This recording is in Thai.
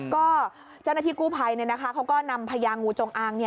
ก็เจ้าหน้าที่กู้ภัยเขาก็นำพญางูจงอาง